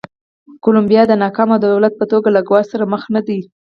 کولمبیا د ناکام دولت په توګه له ګواښ سره مخ نه ده.